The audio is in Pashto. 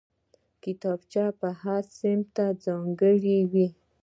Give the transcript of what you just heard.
کتابچه هر صنف ته ځانګړې وي